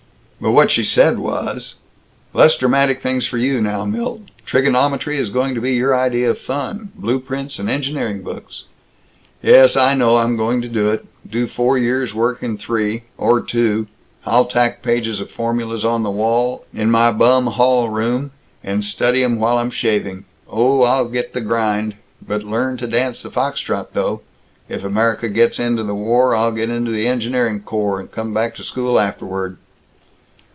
But what she said was: "Less dramatic things for you, now, Milt. Trigonometry is going to be your idea of fun; blueprints and engineering books." "Yes. I know. I'm going to do it. Do four years' work in three or two. I'll tack pages of formulas on the wall, in my bum hallroom, and study 'em while I'm shaving. Oh, I'll be the grind! But learn to dance the fox trot, though! If America gets into the war, I'll get into the engineering corps, and come back to school afterward."